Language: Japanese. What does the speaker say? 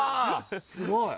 すごい。